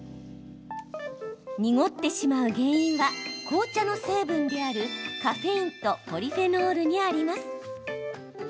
濁ってしまう原因は紅茶の成分であるカフェインとポリフェノールにあります。